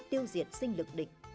tiêu diệt sinh lực định